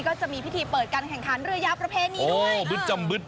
ก็จะมีพิธีเปิดการแข่งขันเรือยาวประเพณีด้วย